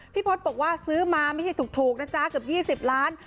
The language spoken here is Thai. พจน์บอกว่าซื้อมาไม่ใช่ถูกนะจ๊ะเกือบ๒๐ล้าน